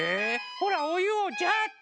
ほらおゆをジャーッて！